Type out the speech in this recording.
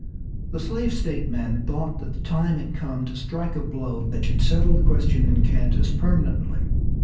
The slave state men thought that the time had come to strike a blow that should settle the question in Kansas permanently.